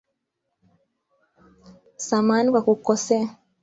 Samahani kwa kukukosea